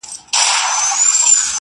توري جامې ګه دي راوړي دي، نو وایې غونده~